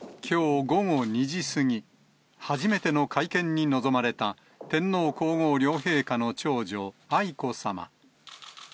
きょう午後２時過ぎ、初めての会見に臨まれた天皇皇后両陛下の長女、愛子さま。